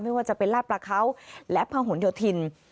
ไม่ว่าจะเป็นลาดปลาเค้าและผ่าหุ่นเดียวถิ่น